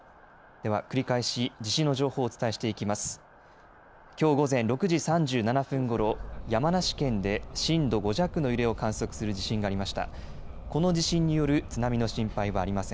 では繰り返し地震の情報をお伝えしていきます。